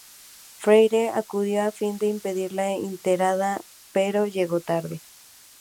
Freire acudió a fin de impedir la retirada, pero llegó tarde.